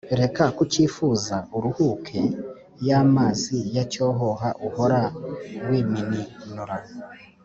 Reka kucyifuza uruhuke ya mazi ya cyohoha uhora wiminura